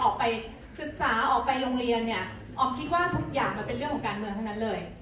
ออกไปศึกษาออกไปโรงเรียนเนี่ยออมคิดว่าทุกอย่างมันเป็นเรื่องของการเมืองทั้งนั้นเลย